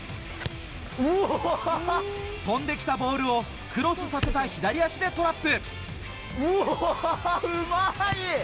飛んできたボールをクロスさせた左足でトラップ。